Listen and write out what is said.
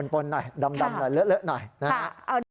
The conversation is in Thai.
ปนหน่อยดำหน่อยเหลือหน่อยนะครับ